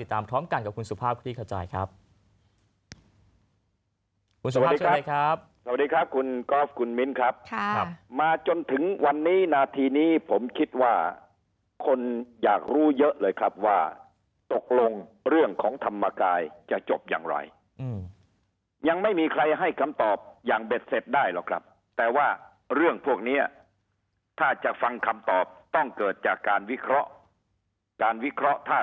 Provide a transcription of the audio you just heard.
ติดตามท้องกันกับคุณสุภาพคุณอิงเข้ามานะครับติดตามท้องกันกับคุณสุภาพคุณอิงเข้ามานะครับติดตามท้องกันกับคุณสุภาพคุณอิงเข้ามานะครับติดตามท้องกันกับคุณสุภาพคุณอิงเข้ามานะครับติดตามท้องกันกับคุณสุภาพคุณอิงเข้ามานะครับติดตามท้องกันกับคุณสุภาพคุณอิงเข้ามา